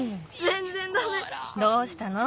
どうしたの？